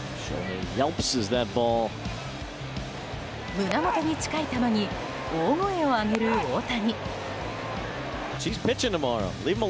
胸元に近い球に大声を上げる大谷。